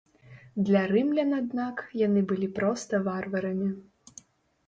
Для рымлян аднак яны былі проста варварамі.